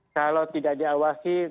kalau tidak diawasi